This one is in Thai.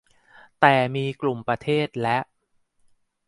แต่มีกลุ่มประเทศและ